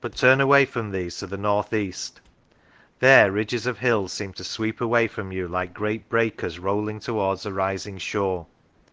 But turn away from these to the north east; there ridges of hills seem to sweep away from you like great breakers rolling towards a rising shore.